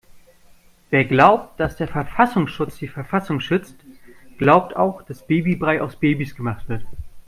Wer glaubt, dass der Verfassungsschutz die Verfassung schützt, glaubt auch dass Babybrei aus Babys gemacht wird.